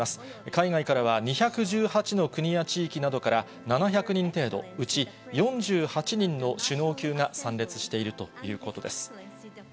海外からは２１８の国や地域などから、７００人程度、うち４８人の首脳級が参列しているということです。